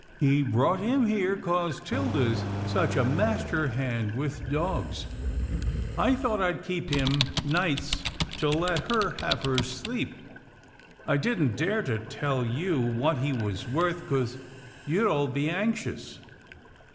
He brought him here 'cause 'Tilda's such a master hand with dogs. I thought I'd keep him nights to let her have her sleep. I didn't dare to tell you what he was worth, 'cause you'd all be anxious.